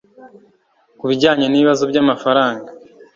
Ku bijyanye n’ibibazo by’amafaranga